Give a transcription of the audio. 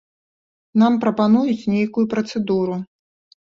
Нам прапануюць нейкую працэдуру.